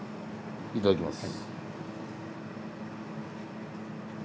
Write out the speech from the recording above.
いただきます！